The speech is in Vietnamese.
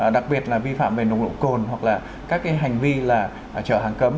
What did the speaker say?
đặc biệt là vi phạm về nồng độ cồn hoặc là các hành vi là trở hàng cấm